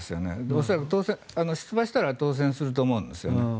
恐らく出馬したら当選すると思うんですね。